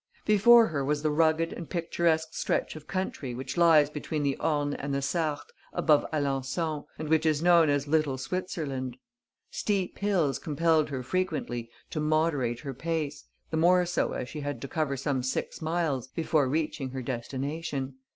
Before her was the rugged and picturesque stretch of country which lies between the Orne and the Sarthe, above Alençon, and which is known as Little Switzerland. Steep hills compelled her frequently to moderate her pace, the more so as she had to cover some six miles before reaching her destination.